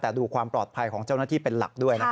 แต่ดูความปลอดภัยของเจ้าหน้าที่เป็นหลักด้วยนะครับ